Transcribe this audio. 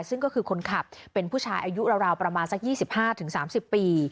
ซึ่งก็คือคนขับเป็นผู้ชายอายุราวประมาณสัก๒๕๓๐ปี